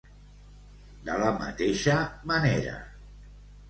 De la mateixa manera.